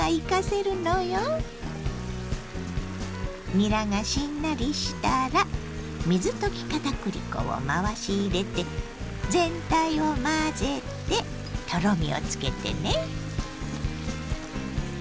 にらがしんなりしたら水溶き片栗粉を回し入れて全体を混ぜてとろみをつけてね。